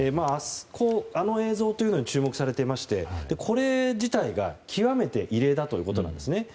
あの映像というのに注目されていましてこれ自体が極めて異例だということなんですね。